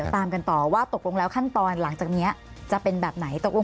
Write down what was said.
ตามกันต่อว่าตกลงแล้วขั้นตอนหลังจากนี้จะเป็นแบบไหนตกลง